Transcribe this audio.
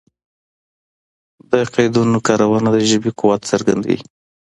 د قیدونو کارونه د ژبي قوت څرګندوي.